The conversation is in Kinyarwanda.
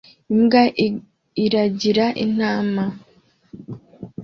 Imbwa iragira intama